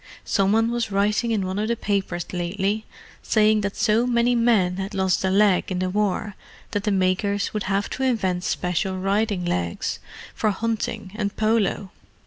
Some one was writing in one of the papers lately, saying that so many men had lost a leg in the war that the makers would have to invent special riding legs, for hunting and polo.